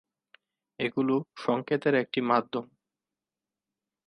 এগুলো সংকেতের একটি মাধ্যম।